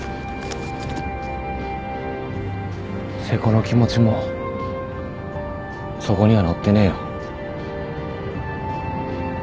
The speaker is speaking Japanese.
瀬古の気持ちもそこには載ってねえよ。